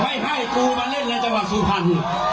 ไม่ให้กูมาเล่นรัฐจังหวังสุพรรณ